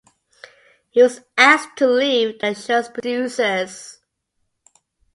He was asked to leave by the show's producers.